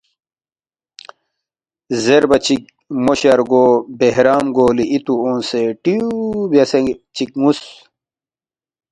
زیربا چِک مو شارگو بہرام گولی اِتُو اونگسے ٹیُو بیاسے چِک نُ٘وس